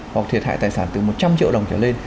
hoặc thiệt hại tài sản từ một trăm linh triệu đồng trở lên